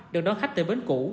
được đón khách tại bến cũ